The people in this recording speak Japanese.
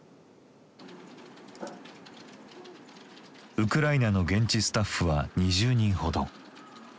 ウクライナの現地スタッフは２０人ほど。